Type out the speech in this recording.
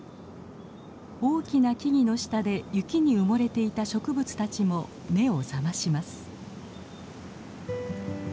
大きな木々の下で雪に埋もれていた植物たちも目を覚まします。